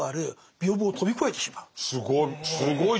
すごい。